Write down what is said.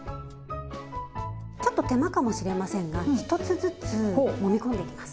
ちょっと手間かもしれませんが１つずつもみ込んでいきます。